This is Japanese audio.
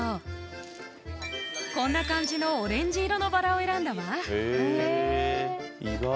こんな感じのオレンジ色のバラを選んだわ。